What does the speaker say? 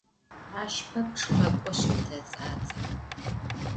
Ащ пэпчъ къэкӏошъ къытэцӏацӏэ.